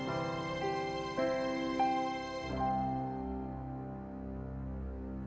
kau itu peng pancake kan